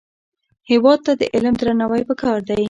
هېواد ته د علم درناوی پکار دی